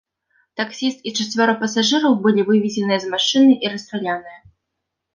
Таксіст і чацвёра пасажыраў былі выведзеныя з машыны і расстраляныя.